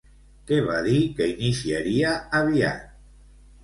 Què va dir que iniciaria aviat?